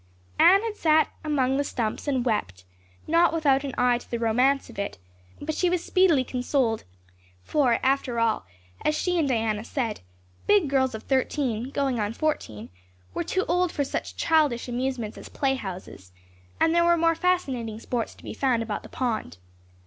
Anne had sat among the stumps and wept, not without an eye to the romance of it; but she was speedily consoled, for, after all, as she and Diana said, big girls of thirteen, going on fourteen, were too old for such childish amusements as playhouses, and there were more fascinating sports to be found about the pond.